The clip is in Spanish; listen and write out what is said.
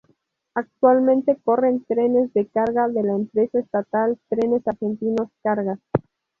Actualmente Corren trenes de carga de la empresa estatal Trenes Argentinos Cargas.